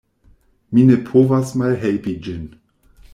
Mi ne povas malhelpi ĝin.